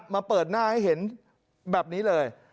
มาเปิดหน้าให้เห็นแบบนี้เลย